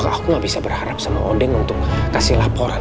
aku gak bisa berharap sama oden untuk kasih laporan